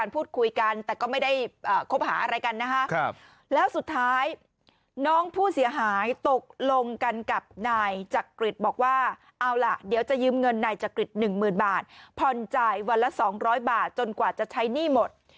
ผู้เสียหายตกลงกันกับนายจักริจบอกว่าเอาล่ะเดี๋ยวจะยืมเงินนายจักริจหนึ่งหมื่นบาทผ่อนจ่ายวันละสองร้อยบาทจนกว่าจะใช้หนี้หมด